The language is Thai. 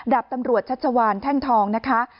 ดาบตำรวจชัชวานแท่งทองนะคะ